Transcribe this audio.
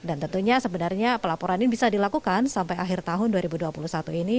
dan tentunya sebenarnya pelaporan ini bisa dilakukan sampai akhir tahun dua ribu dua puluh satu ini